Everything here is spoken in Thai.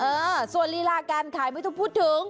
เออส่วนลีลาการขายไม่ต้องพูดถึง